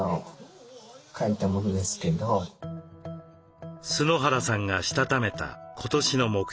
春原さんがしたためた今年の目標。